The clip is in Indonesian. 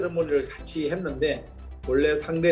dia mengucapkan semangat terakhir dengan saya